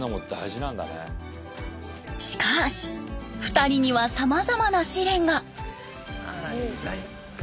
しかし２人にはさまざまな試練が。